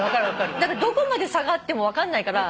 どこまで下がっても分かんないから。